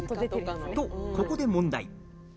と、ここで問題。